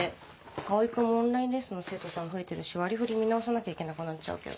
蒼君もオンラインレッスンの生徒さん増えてるし割り振り見直さなきゃいけなくなっちゃうけど。